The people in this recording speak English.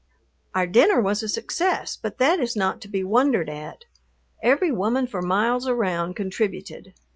Our dinner was a success, but that is not to be wondered at. Every woman for miles around contributed.